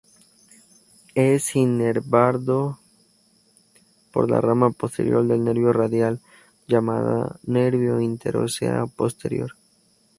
Es inervado por la rama posterior del nervio radial, llamada nervio inter-ósea posterior.